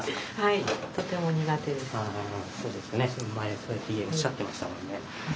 前もそうやっておっしゃってましたもんね。